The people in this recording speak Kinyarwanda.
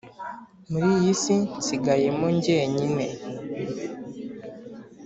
Muri iyi si nsigayemo njyenyine